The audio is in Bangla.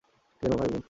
কোন ভাই বা বোন?